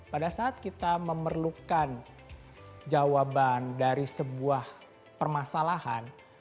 pada saat kita memerlukan jawaban dari sebuah permasalahan